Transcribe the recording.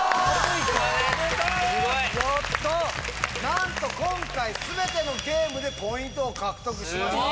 なんと今回全てのゲームでポイントを獲得しました。